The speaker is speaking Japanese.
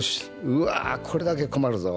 うわこれだけ困るぞ！